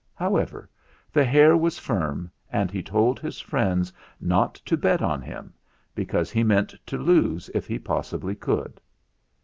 However, the hare was firm, and he told his friends not to bet on him, because he meant to lose if he possibly could.